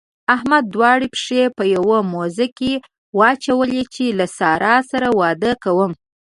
احمد دواړه پښې په يوه موزه کې واچولې چې له سارا سره واده کوم.